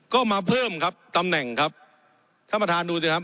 ก็มาเพิ่มครับตำแหน่งครับท่านประธานดูสิครับ